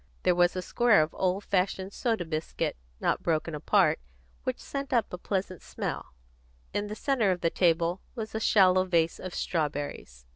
There was a square of old fashioned soda biscuit, not broken apart, which sent up a pleasant smell; in the centre of the table was a shallow vase of strawberries.